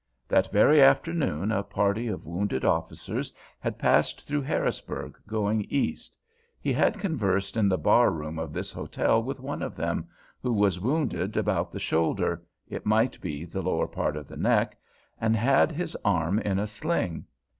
That very afternoon, a party of wounded officers had passed through Harrisburg, going East. He had conversed in the bar room of this hotel with one of them, who was wounded about the shoulder (it might be the lower part of the neck), and had his arm in a sling.